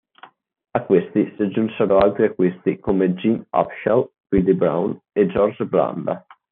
A questi si aggiunsero altri acquisti come Gene Upshaw, Willie Brown e George Blanda.